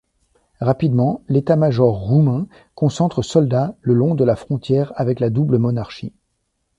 Rapidement, l'état-major roumain concentre soldats le long de la frontière avec la double monarchie.